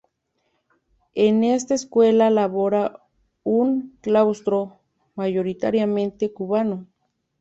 En esta escuela labora un claustro mayoritariamente cubano.